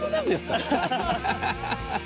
ハハハハ。